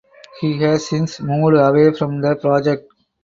He has since moved away from the project.